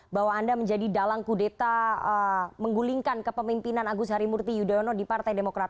bahwa anda menjadi dalang kudeta menggulingkan kepemimpinan agus harimurti yudhoyono di partai demokrat